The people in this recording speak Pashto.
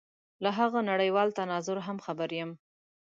له هغه نړېوال تناظر هم خبر یم.